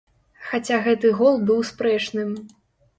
Хаця гэты гол быў спрэчным.